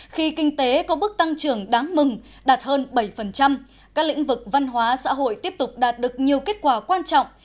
khi kinh tế có bước tăng trưởng đáng mừng đạt hơn bảy các lĩnh vực văn hóa xã hội tiếp tục đạt được nhiều kết quả quan trọng